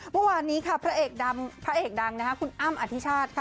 เมื่อวานี้พระเอกดังคุณอ้ำอธิชาติ